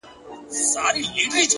• اوري له خیبره تر کنړه شپېلۍ څه وايي ,